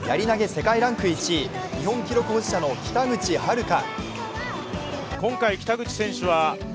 世界ランク１位日本記録保持者の北口榛花。